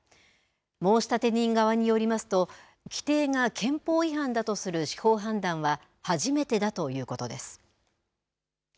申立人側によりますと規定が憲法違反だとする司法判断は初めてだと言うことです。